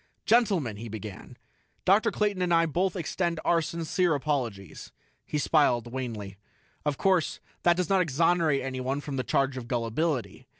"Gentlemen," he began, "Dr. Clayton and I both extend our sincere apologies." He smiled wanly. "Of course, that does not exonerate anyone from the charge of gullibility.